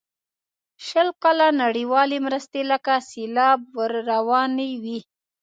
شل کاله نړیوالې مرستې لکه سیلاب ور روانې وې.